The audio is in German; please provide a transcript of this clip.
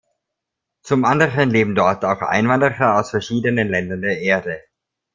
Zum anderen leben dort auch Einwanderer aus verschiedenen Ländern der Erde.